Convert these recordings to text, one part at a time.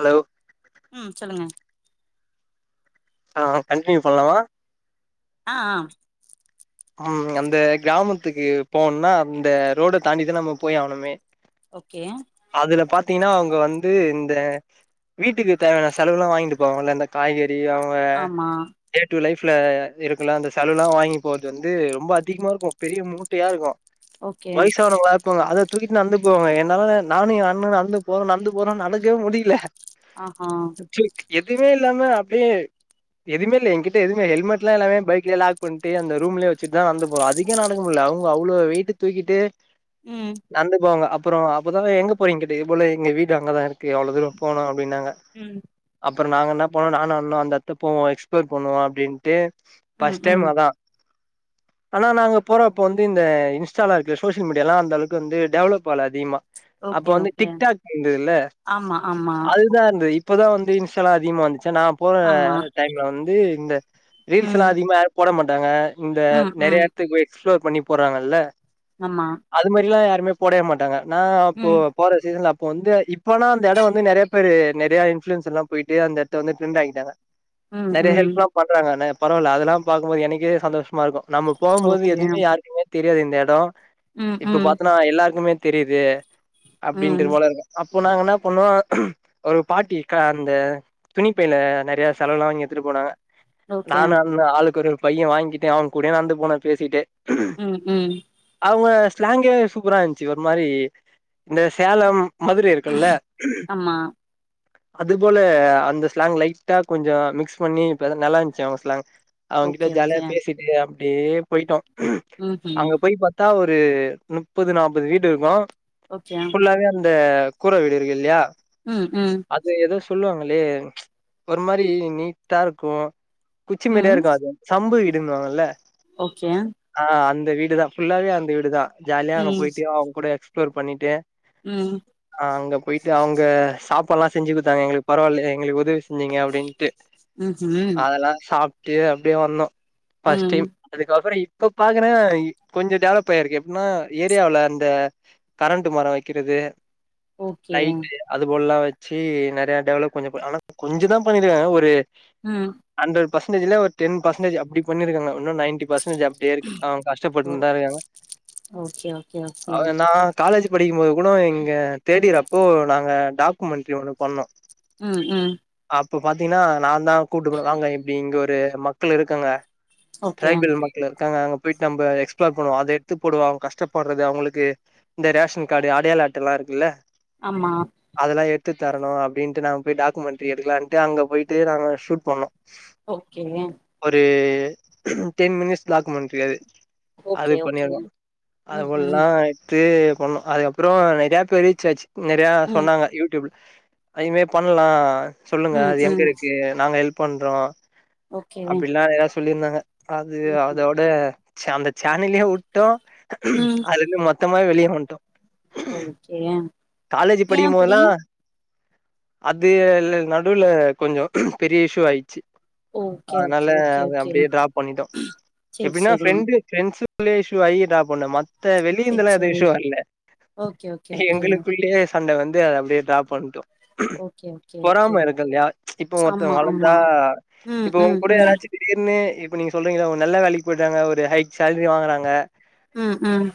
Allow ம் சொல்லுங்க ஆஆ கண்டின்யூ பண்லாவா அ ஆ ம் அந்த க்ராமத்துக்கு போன்னா அந்த ரோட தாண்டிதா நம்ம போய் ஆகணுமே ஓகே அதுல பாத்தீங்கினா அவங்க வந்து இந்த வீட்டுக்கு தேவையான செலவுலா வாங்கிட்டுபோவாங்கல அந்த காய்கறி தி அவ்ங்க ஆமா டே டு லைஃப்ல இருக்குலா அந்த சலவுலா வாங்கி போற் து வந்து ரொம்ப அதிகமா இருக்கு பெரிய மூட்டையா இருக்கு ஓகே வயசானவங்களா இப்பாங்க அதத் தூக்கிட் நந்து போவே என்னால நானு எ அண்ணணு நந்து போறோ நந்து போறோம் நடக்கே முடியல அஹா க்ச்சொலி எதுமே இல்லாம அப்டியே எதுமே இல்ல என்கிட்ட எதுமே ஹெல்மெட்லா எல்லாவே பைக்ல லாக் பண்ட்டு அந்தொர் ரூம்லே வச்சுட் தா நடந்து போறோ அதிக்கே நடக்க முட்ல அவுங்க அவ்ளோ வெய்ட்ட தூக்கிட்டு ம் நந்து போங்க அப் ப்புறோ அப்பதாங்க எங்க போறீ இங்கிட்டு இ போலே எங்க வீடு அங்கதா இருக்கு அவ்ளோ தூரோ போனு அப்டினாங்க ம் அப்ற நாங்க என்ன பனோ நானு அண்ணணு அந்த அத்த போவோ எக்ஸ்ப்ளேர் பண்ணுவோ அப்படின்ட்டு ம் பஸ்ட் டைம் ம் அதா ஆனா நாங்க போறப்போ வந்து இந்த இன்ஸ்டாலா இருக்கு ஷோஷியல் மீடியாலா அந்த அளவுக்கு வந்து டெவலப் ஆல அதிகமா அப்ப ஓகே வந்து ஓகே டிக்டாக் இந்து இல்ல ஆமா ஆமா அது ன்தா இந்து இப்பதா வந்திம் இன்ஷலா அதிகமா வந்துச்ச நா போற ஆமா டைம்ல வந்து இந்த ரீல்ஸல்லா ம் அதிகமா ஆர் போட மாட்டாங்க இந்த ம் நெறையா ம் எடத்துக்கு வொய் எக்ஸ்ப்ளோர் பண்ணி போறாங்கல்ல ஆமா அது மாரிலா யாருமே போடே மாட்டாங்க நா அப்போ ம் போற சீசன்ல அப்போ வந்து இப்பனா அந்த எடோ வந்து நெறையா பேரு நெறையா இன்ஃபுளுயன்ஸ் எல்லா போய்ட்டு அந்த எடத்த வந்து ட்ரெண்ட் ஆகிட்டாங்க ம் நெறய ம் ஹெல்ப்லா பண்றாங்க என்ன பரவால அதெல்லா பாக்கும்போது எனகே சந்தோஷமாருக்கும் நம்ம போவும் போது ஓகே எதுவுமே யாருக்குமே தெரியாது இந்த எடம் ம் இப்ப ம் பாத்தனா எல்லாருக்குமே தெரிது அப்டின்று ம் போலருக்கு அப்போ நாங்க என்ன பண்ணோ ஒரு பாட்டி காந்த துணிப்பையில நெறய செலல்லா வாங்கி எடுத்துட்டு போனாங்க ஓகே நானு அந்த ஆளுக்கொரு பைய வாங்கிட்டு அவன் கூடயே நடந்து போனோ பேசிட்டே ம் ம் அவுங்க ஸ்லாங்கே சூப்பரா இருந்துச்சு ஒரு மாரி இந்த சேலம் மதுர இரு க்குல்ல ஆமா அது போல அந்த ஸ்லாங் லைட்டா கொஞ்சோ மிக்ஸ் பண்ணி இப்ப நல்லாருந்துச்சு அவுங்க ஸ்லாங் அவங் கி ஓகே ஓகே செரியா அப்டியே போயிட்டோம் அங்க ம்ஹும் போய் பாத் தா ஒரு முப்பது நாப்பது வீடுருக்கும் ஓக்கியா ஃபுல்லாவே அந்த கூர வீடுருக்கு ல்லையா ம் ம் அது ஏதோ சொல்லுவாங்களே ஒரு மாரி நீட்டாருக்கும் குச்சி மாரியே ம் ருக்கும் அது சம்பு வீடுன்னு வாங்கல்ல ஓகே ஆ அந்த வீடுதா ஃபுல்லாவே அந்த வீடுதா ஜாலியா அங்க ம் போயிட்டு அவங்க கூட எக்ஸ்ப்ளோர் பண்ணிட்டு ம் ஆங்க போயிட்டு அவுங்க சாப்பாடுல்லா செஞ்சு கொடுத்தாங்க எங்களுக்கு பரவால்ல எங்களுக்கு உதவி செஞ்சிங்க அப்படிட்டு ம்ஹும் அதெல்லா சாப்ட்டு அப்டியே வந்தோ ஃபஸ் ம் டைம் அதுக்கப்றம் இப்ப பாக்குறேன் கொஞ்சோ டெவலப் ஆயிருக்கு எப்டின்னா ஏரியாவுல அந்த கரண்ட் மரோ வக்கிறது ஓகே லைட்டு அதுபோல வச்சு நெறய டெவலப் கொஞ்ச பண் ஆனா கொஞ்சதா பண்ணிருக்காங்க ஆனா ஒரு ம் அண்ட்ரட் பஸ்ன்டேஜ்ல ஒரு டென் பஸ்ன்டேஜ் அப்டி பண்ணிருக்காங்கஉன்னும் நைன்டி பஸ்ன்டேஜ் அப் பேருக்கு அவ ஓ கஷ்டப்பட்டு தா ருக்காங்க ஓகே ஓகே ஓகே அவந்தா காலேஜ் படிக்கும்போது கூட இங்க தேடியர் அப்போ நாங்க டாக்குமெண்ட்ரி ஒண்ணு பண்ணோ ம் ம் அப்ப பாத்தீங்கன்னா நாந்தா கூட்டு போனும் வாங்க இப்டி இங்க ஒரு மக்கள் இருக்கங்க ஓகே தை பில் ம [unintelligible] இருக்காங்க அங்க போயிட்டு நம்ம எக்ஸ்ப்ளோர் பண்ணுவோ அத எடுத்து போடு வாங்க கஷ்டப்படுறது அவங்களுக்கு இந்த ரேஷன் கார்டு அடையாள அட்டலா இருக்குல்ல ஆமா அதெல்லா எடுத்து தரணு அப்டின்னுட்டு நாங்க போய் டாக்குமெண்ட்ரி எடுக்கலான்ட்டு அங்க போயிட்டு நாங்க ஷூட் பண்ணோ ஓகே ஒரு டென் மினிட்ஸ் டாக்குமண்டரி அது அது ஓகே ஓகே பண்ணிர்லா அது ம் ம் போலல்லா த்து கொண்ணு அதுக்கப்றோ நெறயா பெரு ரீச்சாச்சு நெறையா ம் சொன்னாங்க யூடியூப்ல அதுமே பண்லா சொல்லுங்க ம் அது எங்க ம் இருக்கு நாங்க ஹெல்ப் பண்றோ ஓகே ம் அப்டிலா எதோ சொல்லியிருந்தாங்க அது ம் அதோட அந்த ச்சனலையே உட்டோ ம் அதலயிருந்து மொத்தமாவே வெளிய வந்ட்டோ ஓகே காலேஜ் ஏ அப்படி படிக்குமோல்லா அது ல்ல நடுல கொஞ்சோ பெரிய இஷ்யூ ஆயிச்சு ஓகே ஆனால ஓகே ஓகே ஓகே அப்டியே ட்ராப் பண்ணிட்டோ சேரி எப்டின்னா சேரி ஃப்ரெண்டு் ஃப்ரெண்ட்ஸ் குள்ளயே இஷுவாகிட்டா பண்ணே மத்த சேரி வெளியந்தல எதுவு சேரி இஷு வரல ஓகே ஓக் எங்களுக்குள்ளயே சண்ட வந்து அத அப்டியே ட்ராப் பண்ட்டோ ஓகே ஓகே ஓகே பொறாம இருக்கு இல்லையா இப்ப ஒருத்த ஆமா ஆமா வளந்தா ம் இப்ப உங்க ம் கூட ம் யாராச்சு திடீர்னு இப்ப நீங்க சொல்றீங்கள்ல ஒரு நல்ல வேலக்கி பொயிட்டாங்க ஒரு ஹை சேலரி வாங்குறாங்க ம் ம்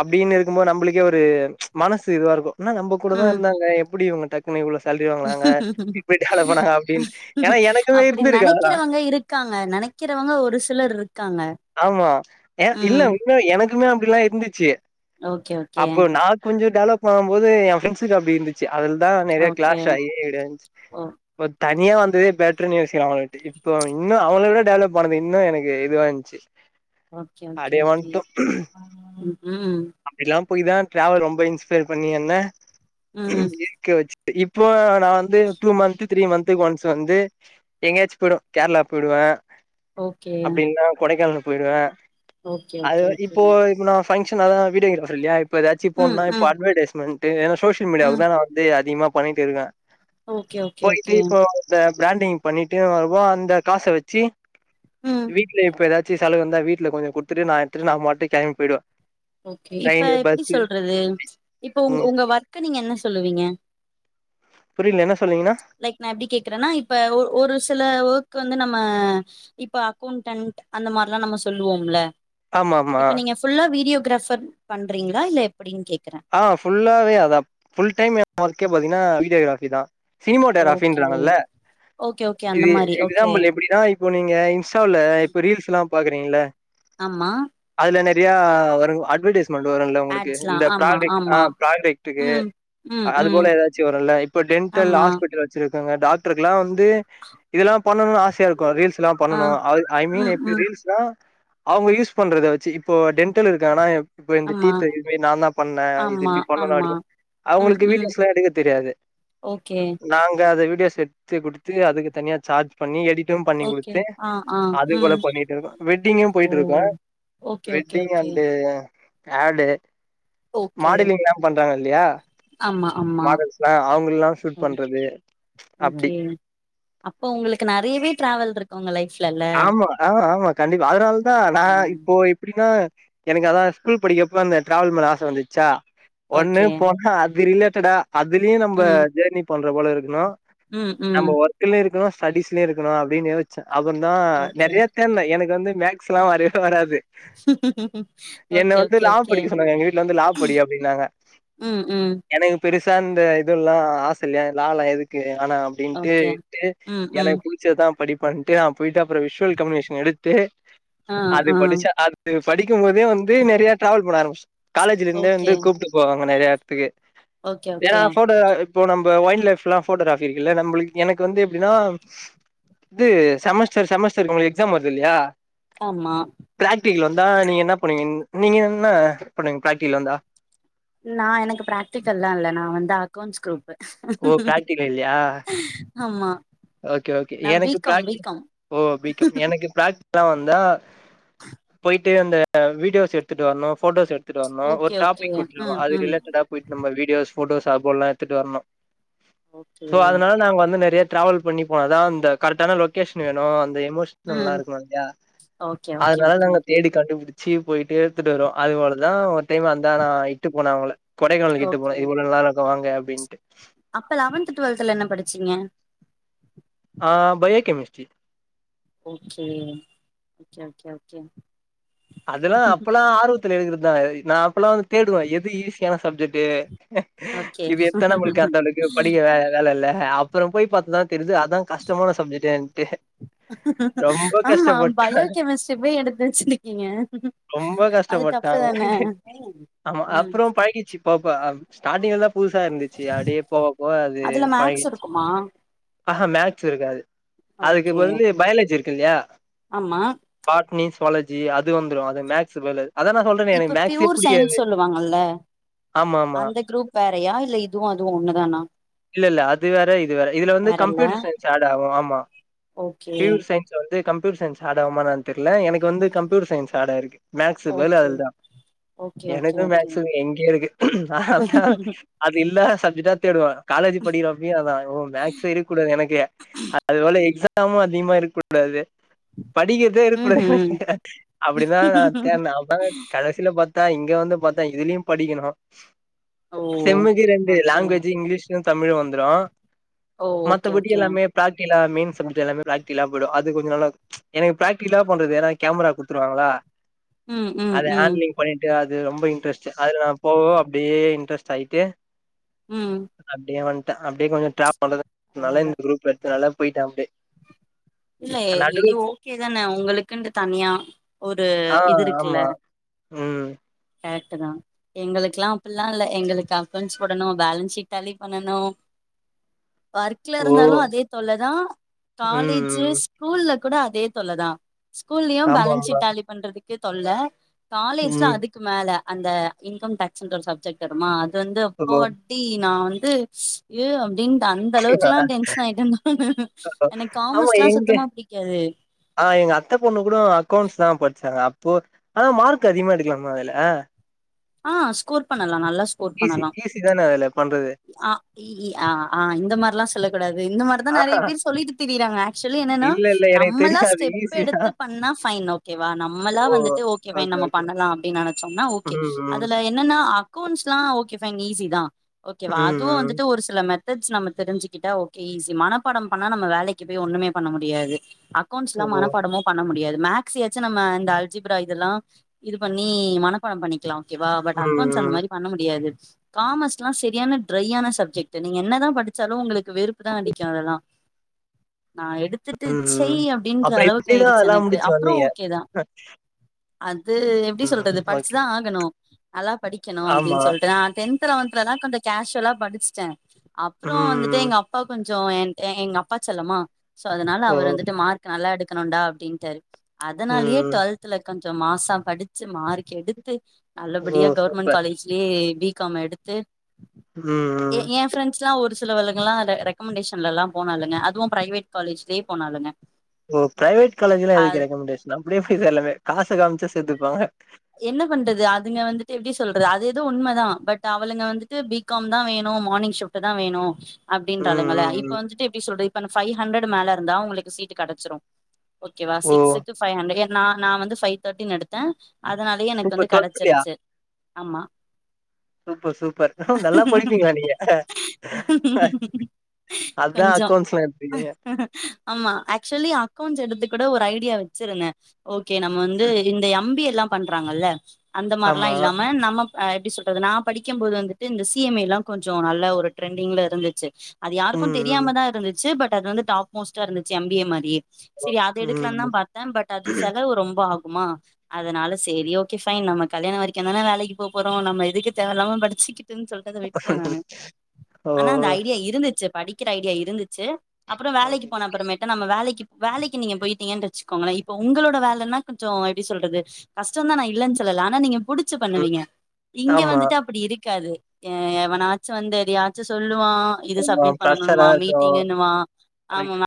அப்டின்னு இருக்கும்போது நம்மளுக்கே ஒரு மனசு இதுவா இருக்கு என்ன நம்ம கூடதா ம் இருந்தாங்க எப்புடி இவுங்க டக்குன் என்ன இவ்ளோ சேல்ரி வாங்குறாங்க எப்டின்ட்டு ஹலோவ் போனாங்க அப்டின்ட்டு ஏனா எனக்குமே இது நெனக்கிறவங்க இருக்காங்க நெனக்கிறவங்க ஒரு சிலர் இருக்காங்க ஆமா ஏனா இல்ல ம் உண்மையாவே எனக்குமே அப்டில்லா இருந்துச்சு ஓகே ஓகே அப்போ நா கொஞ்ச டெவலப் ஆகும் போது ஏ ஃப்ரெண்ட்ஸுக்கு அப்டி இருந்துச்சு அதுல் தா நெறையா ஓகே க்ளாஸ் ஆகி இருந்துச் ஓ இப்ப தனியா வந்ததே பேட்ருன்னு யோசிக்கலா அவுங்கள்ட்டு இப்போ இன்னு அவுங்கள விட டெவலப்பானது இன்னு எனக்கு இதுவா இருந்துச்சு ஓகே ஓகே அப்டியே ஓகே ம் அப்டில்லா போயி தா டிராவல் ரொம்ப இன்ஸ்பயர் பண்ணி என்ன ம் இருக்க வச்சுது இப்போ நா வந்து டூ மன்த் த்ரீ மன்த்துக்கு ஒன்ஸ் வந்து எங்கேயாச்சு போய்டுவே கேர்ளா போய்டுவே ஓகே அப்டி இல்லன்னா கொடைக்கானல் போய்டுவே ஓகே அது ஓகே ஓகே இப்போ இப்ப நா பங்க்ஷன் அததா வீடியோ க்ராபர் இல்லையா இப்போ எதாச்சி ம் போன்னுன்னா இப்போ ம் அட்வெடையிஸ்மெண்ட்டு ஏன்னா சோசியல் ம் மீடியாவுக்கு தா நா வந்து அதிகமா பண்ணிட்டு இருக்கே ஓகே ஓகே போயிட்டு ஓகே இப்போ இந்த ஃப்ராண்டிங் பண்ணிட்டு வருவோ அந்த காச வச்சி ம் வீட்ல இப்போ எதாச்சு செலவு வந்தா வீட்டுல கொஞ்ச குடுத்துட்டு நா எடுத்துட்டு நா மாட்டுக்கு கெளம்பி போய்டுவே ஓகே இப்ப எப்டி சொல்றது இப்ப உங்க ம் உங்க ஒர்க்க நீங்க என்ன சொல்லுவீங்க புரியல என்ன சொன்னீங்னா லைக் நா எப்டி கேக்குறன்னா இப்ப ஒ ஒரு சில ஒர்க் வந்து நம்ம இப்ப அக்கௌண்டன்ட் அந்த மார்லா நம்ம சொல்லுவோம்ல ஆமா ஆமா இப்ப நீங்க ஃபுல்லா வீடியோகிராபர் பண்றீங்களா இல்ல எப்புடின் கேக்குறே ஆ ஃபுல்லாவே அதா ஃபுல் டைம் ஏ ஒர்க்கே பாத்தீங்கன்னா வீடியோகிராஃபி தா சினிமோட்டோ ஓகே கிராபின்றாங்கல்ல ஓகே ஓகே அந்த இது மாரி ஓகே எக்ஸாம்புல் எப்புடின்னா இப் இப்போ நீங்க இன்ஸ்டாவுல இப்ப ரீல்ஸ் எல்லா பாக்குறீங்ல ஆமா அதுல நெறையா வரு அட்வர்டைஸ்மெண்ட் வருல்ல உங்களுக்கு ஆட்ஸ்லா இந்தப் ஆமா ப்ராஜக்ட் ஆ ஆமா ப்ராஜக்டுக்கு ம் ம் அது ம் போல எதாச்சு வருல்ல இப்ப டென்டல் ஆமா ஹாஸ்பிட்டல்ல வச் இருக்காங்க டாக்டருக்கெல்லா வந்து இதெல்லா பண்ணனுன்னு ஆசையா இருக்கு கோ ரீல்ஸ் எல்லா ஆ பண்ணனு ஐ மீன் ம் இப்ப ம் ரீல்ஸ்னா அவுங்க யூஸ் பண்றத வச்சு இப்போ டென்டல் இருக்காங்கன்னா இப்ப இந்த டீ ஆமா தைமே நாந்தா ன்னா இது ஆமா இப்டி பண்ணணு அப்டி ஆமா ப ம் அவுங்களுக்கு ம் வீடிஸ்ல்லா எடுக்க தெரியாது ஓகே நாங்க அத வீடியோஸ் எடுத்து குடுத்து அதுக்கு தனியா சார்ஜ் பண்ணி எடிட்டும் பண்ணி ஓகே குடுத்து ஆ ஆ அது போல ம் பண்ணிட்டு இருக்கு வெட்டிங்கும் ஓ பொயிட்ருக்கே okay okay wedding okay and ஆடு ஓகே மாடலிங்ல்லா பண்றாங்க இல்லையா ஆமா ஆமா மாடல்ஸ்லா அவுங்கல்லா ஓ ஷூட் பண்றது அப்டி ஓகே அப்போ உங்களுக்கு நெறையவே ட்ராவல்ருக்கு உங்க லைப்ல எல்ல ஆமா ஆ ஆமா கண்டிப்பா அதுனாலதா நா ஆ இப்போ எப்டின்னா எனக்கு அதா ஸ்கூல் படிக்கிறப்ப அந்த ட்ராவல் மேல ஆச வந்துச்சா ஒன்னு ஓகே போனா அது ரிலேட்டடா அதுலயு நம்ம ம் ஜர்னி பண்ற போல இருக்குன்னா ம் ம் நம்ம ஒர்க் இல்ல இதுக்குலா ஸ்டடிஸ்லயு இருக்கணும் அப்டின் எதாச்சு அப்புனா ஓகே நெறைய தெர்ல எனக்கு வந்து மேக்ஸ்லாம் வரவே வராது என்ன ஓகே வந்து ஓகே லா ஓகே படிக்க சொன்னாங்க எங்க வீட்டல வந்து லா படி அப்டின்னாங்க ம் ம் எனக்கு பெருசா இந்த இதுல்லா ஆச இல்லயா லால்லாம் எதுக்கு ஆனா ஓகே அப்டின்ட்டுட்டு ம் ம் எனக்கு புடிச்சதா படிப்பேன்ட்டு நா போயிட்டு அப்பறம் விஷுவல் கம்யூனேஷன் எடுத்து ஆ அது ஆ படிச்ச அது படிக்கும் போதே வந்து நறைய டிரராவல் பண்ண ஆரம்பச் காலேஜ்லிந்தே ஓகே வந்து கூப்ட்டு போவாங்க நறைய எடத்துக்கு ஓகே ஏன்னா ஓகே ஃபோட்டோ அ இப்போ நம்ம வைல்ட் லைஃப்லாம் போட்டோகிராபி இருக்கு இல்ல நம்மளுக்கு எனக்கு வந்து எப்டின்னா இது செமஸ்டர் செமஸ்டர்க்கு உங்களுக்கு எக்ஸாம் வருதுல்லையா ஆமா பிராக்டிகல் வந்தா நீங்க என்ன பண்வீங்க நீங்க என்ன பண்வீங்க பிராக்டிகல் வந்தா நா எனக்கு பிராக்டிகல்லாம் இல்ல நா வந்து அக்கௌன்ட்ஸ் குரூப் ஓ பிரா்க்டிகல் இல்யா ஆமா ஓகே ஓகே நா பி எனக்கு காம் பி ப்ராக்டி காம் ஓ பிகாம் எனக்கு ப்ராக் லாம் வந்தா போயிட்டு அந்த வீடியோஸ் எடுத்துட்டு வரணும் போட்டோஸ் எத் துட்டு வரணும் ஒரு ஓகே ஓகே டாபிக் குடுத்துதுருவோ ம் அதுக்கு ம் ரிலேட்டடா போயிட்டு நம்ம விடியோஸ் போட்டோஸ் அப்பலல்லா எத்துட்டு வரணும் ஓகே சோ அதனால நாங்க வந்து நறைய டிராவல் பண்ணிப்போ அதா அந்த கரட்டான லொகேஷன் வேணும் அந்த எமோஷ் நல்லா ம் இருக்கணு இல்யா ஓகே ஓகே அதனால ஓகே நாங்க தேடி கண்டுபுடி ச்சி போயிட்டு எத்துட்டு வருவோ அது போலதா ஒரு டைம் அந்த நா இட்டு போன அவங்கள கொடைக்கானல்க்கு இட்டு போன ஓகே இது போல நல்லா இருக்கு வாங்க அப்டின்ட்டு அப்ப லெவன்து டுவல்துல என்ன படிச்சீங்க ஆ் biochemistry okay okay okay okay அதல்லா அப்பல்லா ஆர்வத்துல எடுக்கறதுதா நா அப்பல்லாம் வந்து தேடுவேன் எது ஈஸியான சப்ஜெக்ட்டு ஓகே இது எத்தா நம்மளுக்கு அந்த அளவுக்கு படிக்க வேல வேல இல்ல அப்பறம் போய் பாத்து தா தெரிது அதா கஷ்டமான சப்ஜெக்ட்டுன்ட்டு ரொம்ப ஆமா கஷ்டப்பட்டே பயோ கெமிஸ்ட்ரி போய் எடுத்து வச்சுருக் கீங்க ரொம்ப கஷ்டப்பட்டன் ஆமா ம் அப்பறம் பழகிச்சு போப்போ ஸ்டாடிங்லதா புதுசா இருந்துச்சு அப்டியே போகப்போக அது பழகிச்சு ஆமா ஆஹான் மேக்ஸ் இருக்காது அதுக்குப் ஓகே பதிலு பயாலஜி இருக்கு இல்யா ஆமா பாட்னி ஸுவாலஜி அது வந்துரும் அது மேக்ஸு பதில அது அதா நா சொல்றேனே எனக்கு இப்ப மேக்ஸே பியூர் புடிக்காது சயின்ஸ் சொல்லுவாங்கல்ல ஆமா ஆமா அந்த குரூப் வேறயா இல்ல இதுவும் அதுவும் ஒண்ணுதானா இல்ல இல்ல அது வேற இது வேற இதுல வந்து வேறல்ல கம்ப்யூட்டர் சயின்ஸ் ஆட் ஆவும் ஆமா ஓகே ப்யூர் சயின் ஸ் வந்து கம்யூட்டர் சயின்ஸ் ஆட் ஆவுமா என்னனு தெர்ல எனக்கு வந்து கம்யூட்டர் சயின்ஸ் ஆட் ஆயிருக்கு மேக்ஸு பதில ஓகே அது தா ஓகே ஓகே எனக்கு ஓகே மேக்ஸுக்கு எங்கயோ இருக்கு அது இல்லாத சப்ஜெட்டா தேடுவ நா காலேஜ் படிக்கறப்பயும் அதா ஓ மேக்ஸே இருக்கூடாது எனக்கு அது போல எக்ஸா மும் அதிகமா இருக்கூடாது படிக்கறதே ம் இருக்கூடாது ம் அப்டிதா நா தேட்னேன் அப்பறம் கட சில பாத்தா இங்க வந்து பாத்தா இதுலயு படிக்கணும் ஓ செம்முக்கு ரெண்டு ஓகே லாங்குவவேஜ் இங்கிலீஷ் தமிழ் வந்துரு ஓ ஓகே மத்தபடி ஓகே எல்லாமே ப்ராக்டிகலா மெயின் சப்ஜெக்ட் எல்லாமே பிராக்டிலா போய்டு அது கொஞ்ச நால எனக்கு பிராக்டிகலா பண்றது ஏன்னா கேமரா கொடுத்துருவாங்களா ம் ம் அது ம் ஹேண்ட்லிங் பண்ணிட்டு அது ரொம்ப இன்ட்ரெஸ்ட் அதுல நா போவோ அப்டியே இன்ட்ரெஸ்ட் ஆயிட்டு ம் அப்டியே வந்டே அப்டியே கொஞ்ச ட்ராப் பண்றதுனால பரவால்ல இந்த குரூப் எடுத்து நல்லா போயிட்டே அப்டியே இல்ல இது நடுவு ஓகேதானே உங்களுக்குனு தனியா ஒரு ஆ இது இருக்குல்ல ஆமா ம் கரக்ட் தா எங்களுக்குலா அப்பில்லா இல்ல எங்களுக்கு அக்கவுண்ட்ஸ் போடணு பேலன்ஸ் ஷீட் டாலி பண்ணணு ஒர்க்ல ஓ இருந்தாலு அதே தொல்லதா காலேஜு ம் ஸ்கூல்ல கூட அதே தொல்லதா ஸ்கூல்லயு ஆமா பேலன்ஸ் ஆமா ஷீட் டாலி பண்றதுக்கு தொல்ல காலேஜ்ல ம் அதுக் கு மேல அந்த இன்கம் டாக்ஸ்ன்ற ஒரு சப்ஜெக்ட் வருமா அது வந்து அப்பா ஓகே. டி நா வந்து ஏ அப்டின் அந்த அளவுக்குலா டென்ஷன் ஆயிட்டே நானு எனக்கு ஆமா காமஸ்ல்லா எங்க சுத்தமா புடிக்காது ஆ எங்க அத்த பொண்ணு கூட அக்கௌண்ட்ஸ் தா படிச்சாங்க அப்போ ஆனா மார்க் அதிகமா எடுக்கலாமா அதுல ஆ ஸ்கோர் பண்ணலா நல்லா ஸ்கோர் ஈஸி பண்ணலா ஈஸி தானே அதுல பண்றது ஆ இ ஆ இந்த மாரில்லா சொல்லக்கூடாது இந்த மா தா நெறைய ஆஹா பேர் சொல்லிட்டு திரியிறாங்க ஆக்சுவலி என்னன்னா இல்ல இல்ல எனக்கு நம்மளா தெரியாது ஸ்டெப் ஈஸி தா எடுத்து பண்ணா ஃபைன் ஓகேவா நம்மளா ஓ வந்துட்டு ஓகே ஃபைன் நம்ம பண்ணலா அப்டின்னு நெனைச்சோம்னா ஓகே ம் ம் அதுல என்னன்னா அக்கவுண்ட்ஸ்லா ஓகே ஃபைன் ஈசி தா ம் ஓகேவா அதுவு ம் வந்துட்டு ஒரு சில மெத் தட்ஸ் நம்ம தெரிஞ்சுக்கிட்டா ஓகே ஈஸி மனப்பாடம் பண்ணா நம்ம வேலைக்கு போய் ஒண்ணுமே பண்ண முடியாது அக்கௌண்டஸ்லா ஓ மனப்பாடமு பண்ண முடியாது மேக்ஸ்யாச்சு நம்ம இந்த அல்ஜிப்ரா இதுல்லா இது பண்ணி மனப்பாட பண்ணி க்லா ஓகேவா பட் அக்கௌண்ட்ஸ் அந்த ம் மாரி பண்ண முடியாது காமர்ஸ் லா சரியான ட்ரையான சப்ஜெக்ட் நீங்க என்னதா படிச்சாலு உங்களுக்கு வெறுப்பு தா அடிக்கு அதெல்லா நா எடுத்துட்டு செய் ம் அப்டின்ற அப்புறோ அளவுக்கு எப்டிதா ஆயிருச்சு அதெல்லா எனக்கு முடிச்சு அப்புறொ வந்தீங்க ஓகேதா அது எப்டி சொல்றது ஓகே படிச்சுதா ஆகணு நல்லா படிக்கணு ஆமா அப்டின் சொல்ட்டுதா டென்த்ல வந் லலா கொஞ்ச கேஷுவலா படிச்சுட்டே அப்றொ வந்துட்டு ம் எங்க அ ப்பா கொஞ்ச எங்க அப்பா செல்லமா சோ அதனால ஓ அவரு வந்துட்டு மார் நல்லா எடுக்கணுண்டா அப்டின்டாரு அதனாலயே ம் டுவெல்த்ல கொ ச மாஸா படிச்சு மார்க் எடுத்து ஓ நல்லபடியா கவர்மெண்ட் சூப்பர் காலேஜ் ஏ பி காம் எடுத்து ம் ஏ ஃப்ரண்ட்ஸ்லா ஒரு சிலவலுங்கலா ரெக்கமண்டேஷன்லலா போனாளுங்க அதுவு ப்ரைவேட் காலேஜ்லே போனாலுங்க ஓ ப்ரைவேட் காலேஜ்ல எதுக்கு ரெக்கமண்டேஷன் அப்டியே போய் சேர்லாமே காச காமிச்சா சேத்துப்பாங்க என்ன பண்றது அதுங்க வந்துட்டு எப்டி சொல்றது அது எதோ உண்மதா பட் அவளுங்க வந்துட்டு பி காம் தா வேணு மார்னிங் ஷிப்ட் தா வேணு ம் அப்டின்றாளுங்கள ம் இப்ப ம் வந்துட்டு எப்டி சொல்றது இப்ப அந்த ஃபைவ் ஹண்ரட் மேல இருந்தா உங்களுக்கு சீட்டு கெடச்சிடு ஓகேவா ஓ சிக்ஸ்கு ஃபைவ்ஹண்ரட் நா நா வந்து ஃபைவ் தேட்டின் எடுத்தே அதுனாலயே எனக்கு சூப்பர் வந்து டுவெல்த்லயா கெடச்சிருச்சு ஆமா சூப்பர் சூப்பர் நல்லா படிப்பீங்களா நீங்க அதா கொஞ்சோ அக்கௌன்ஸ்லா எடுத்துருக்கீங்க ஆமா ஆக்சுவலி அக்கௌண்ட்ஸ் எடுத்து கூட ஒரு ஐடியா வச்சிருந்தே ஓகே நம்ம வந் வந்து இந்த எம்பி எல்லாம் பண்றாங்கல்ல அந்த ஆமா மார்ல்லாம் இல்லாம நம்ம அஹ எப்படி சொல்றது நா படிக்கும்போது வந்துட்டு இந்த சி எம் ஏ எல்லாம் கொஞ்சோ நல்ல ஒரு ட்ரெண்டிங்ல இருந்துச்சு அது யாருக்கும் ம் ம் தெரியாமதான் இருந்துச்சு பட் அது வந்து டாப் மஸ்டா இருச்சு எம் பி ஏ மாரி சரி அத எடுக்கல ம் தான் பாத்தே பட் அது செலவு ரொம்ப ஆகுமா அதனால செரி ஓகே ஃபைன் நம்ம கல்யணம் வரைக்கும் தான வேலைக்கு போறோம் நம்ம எதுக்கு தேவயில்லாம படிச்சுக்கிட்டுன் சொல் ட்டு விட்டுட்ட நானு ஓ ஆனா அந்த ஐடியா இருந்துச்சு படி க்கிற ஐடியா இருந்துச்சு அப்புறம் வேலைக்கு ஓகே போன அப்புறமேட்ட நம்ம வேலைக்கு வேலைக்கு நீங்க போயிட்டீங்கன்னு வச்சுக்கோங்கள இப்ப உங்களோட வேலன்னா கொஞ்சம் எப்டி சொல்றது கஷ்டம் தான் நா இல்லன்னு சொல்ல ஆனா நீங்க புடிச் சு பண்ணுவீங்க இங்க ஆமா வந்துட்டு அப்டி இருக்காது எ எவன் ஆச்சு வந்து எதையாச்சு சொல்லுவான் இது ஆமா சப்மிட் பண்ணனு ஃப்ரெஷ்ஷரா பா இருக்கு மீட்டிங்கன்னு வா கரெக்ட் ஆமா